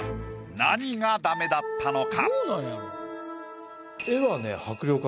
何がダメだったのか？